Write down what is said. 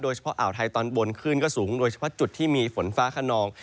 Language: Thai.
โดยเฉพาะอ่าวไทยตอนบนคลื่นก็สูงโดยเฉพาะจุดที่มีฝนฟ้าขนอง